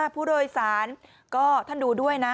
ผู้โดยสารก็ท่านดูด้วยนะ